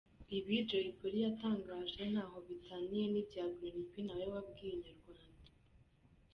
Ibi Jay Polly yatangaje ntaho bitaniye n'ibya Green P nawe wabwiye Inyarwanda.